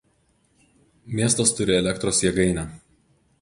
Miestas turi elektros jėgainę.